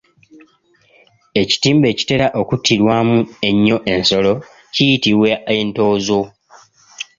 Ekitimba ekitera okuttirwamu ennyo ensolo kiyitibwa Entoozo.